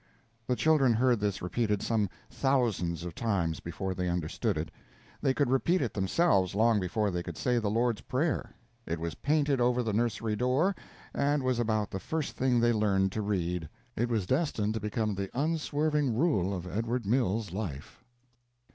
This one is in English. The children heard this repeated some thousands of times before they understood it; they could repeat it themselves long before they could say the Lord's Prayer; it was painted over the nursery door, and was about the first thing they learned to read. It was destined to be the unswerving rule of Edward Mills's life.